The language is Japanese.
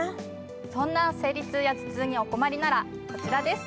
そんな生理痛や頭痛にお困りならこちらです。